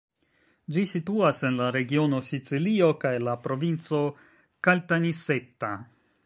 Ĝi situas en la regiono Sicilio kaj la provinco Caltanissetta.